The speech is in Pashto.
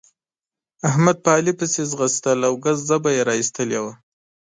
احمد په علي پسې ځغستل او ګز ژبه يې را اېستلې وه.